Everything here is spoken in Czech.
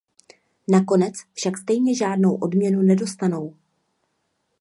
Nakonec však stejně žádnou odměnu nedostanou.